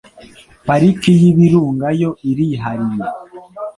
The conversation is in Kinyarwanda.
Pariki y'Ibirunga yo irihariye